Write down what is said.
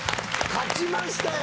勝ちましたよ。